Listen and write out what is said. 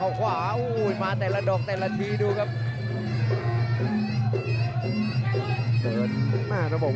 โอ้โหมาแต่ละดอกแต่ละทีดูครับ